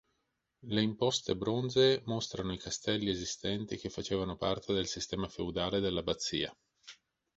Le imposte bronzee mostrano i castelli esistenti che facevano parte del sistema feudale dell'abbazia.